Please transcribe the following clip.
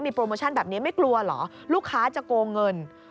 โปรโมชั่นแบบนี้ไม่กลัวเหรอลูกค้าจะโกงเงิน